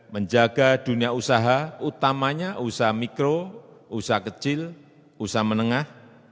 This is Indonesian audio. menjaga dunia usaha utamanya usaha mikro usaha kecil usaha menengah